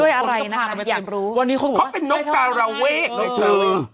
ด้วยอะไรนะคะอยากรู้วันนี้เขาบอกว่าเขาเป็นนกกาลาเวกนกกาลาเวก